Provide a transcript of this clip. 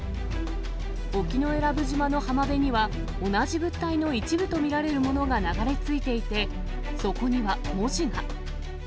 沖永良部島の浜辺には、同じ物体の一部と見られるものが流れ着いていて、そこには文字が。